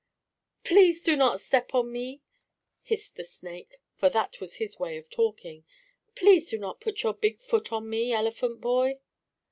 "Please do not step on me!" hissed the snake, for that was his way of talking. "Please do not put your big foot on me, elephant boy!"